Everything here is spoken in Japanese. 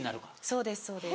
そうですそうです。